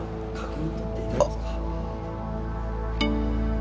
あっ！？